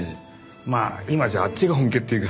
まあ今じゃあっちが本家っていうか。